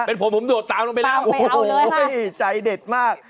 เป็นผลผมหดตาวดังไปตามไปเอาเลยฮะเฮ้ยใจเด็ดมาก